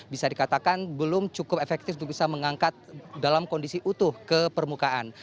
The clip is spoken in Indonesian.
bisa dikatakan belum cukup efektif untuk bisa mengangkat dalam kondisi utuh ke permukaan